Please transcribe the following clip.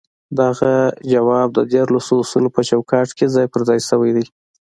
دغه ځواب د ديارلسو اصولو په چوکاټ کې ځای پر ځای شوی دی.